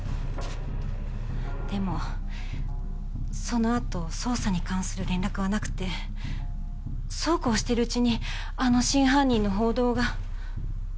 でもそのあと捜査に関する連絡はなくてそうこうしてるうちにあの真犯人の報道が。